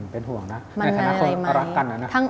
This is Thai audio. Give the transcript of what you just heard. เป็นห่วง